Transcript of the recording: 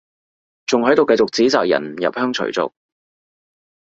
仲喺度繼續指責人唔入鄉隨俗